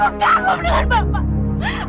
aku kagum dengan bapak